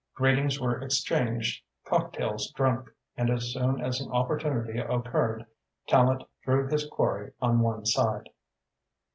Greetings were exchanged, cocktails drunk, and as soon as an opportunity occurred Tallente drew his quarry on one side.